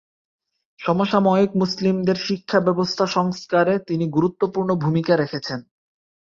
সমসাময়িক মুসলিমদের শিক্ষাব্যবস্থা সংস্কারে তিনি গুরুত্বপূর্ণ ভূমিকা রেখেছেন।